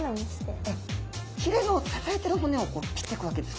ひれを支えてる骨を切ってくわけです。